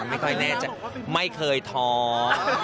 ไม่ค่อยแน่ใจไม่เคยท้อง